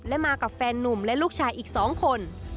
และมากับแฟนนุ่มและลูกชายอีก๒คน